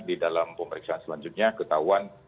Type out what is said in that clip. di dalam pemeriksaan selanjutnya ketahuan